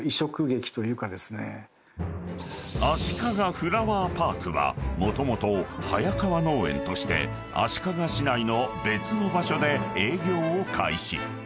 ［あしかがフラワーパークはもともと早川農園として足利市内の別の場所で営業を開始］